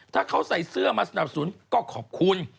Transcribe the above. ถ้าเขาใส่เสื้อมาสนับสนุนก็ขอบคุณ